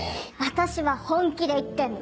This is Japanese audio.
私は本気で言ってんの。